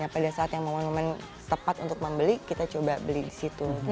pada saat yang momen momen tepat untuk membeli kita coba beli di situ